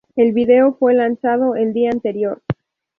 El vídeo fue lanzado el día anterior.